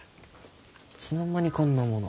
いつの間にこんなもの。